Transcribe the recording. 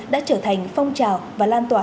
đã trở thành phong trào và lan tỏa